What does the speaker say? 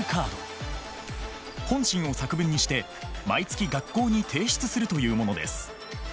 本心を作文にして毎月学校に提出するというものです。